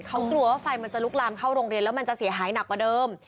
เขากลัวว่าไฟมันจะลุกลามเข้าโรงเรียนแล้วมันจะเสียหายหนักกว่าเดิม